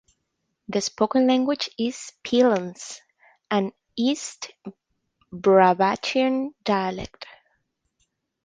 The spoken language is Peellands, an East Brabantian dialect.